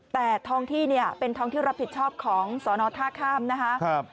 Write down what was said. แต่ท้องที่เนี่ยเป็นท้องที่รับผิดชอบของสอนอท่าข้ามนะคะ